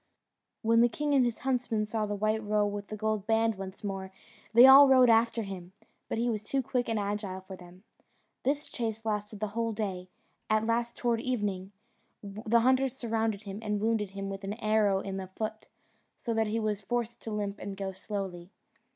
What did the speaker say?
When the king and his huntsmen saw the white roe with the gold band once more, they all rode after him, but he was too quick and agile for them. This chase lasted the whole day; at last, towards evening, the hunters surrounded him, and wounded him with an arrow in the foot, so that he was forced to limp and go slowly.